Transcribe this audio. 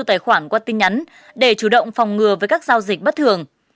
tài khoản qua tin nhắn để chủ động phòng ngừa với các giao dịch bất thường